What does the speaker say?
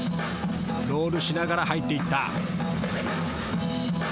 ロールしながら入っていった。